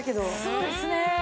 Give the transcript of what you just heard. そうですね。